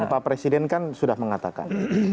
pak presiden kan sudah mengatakan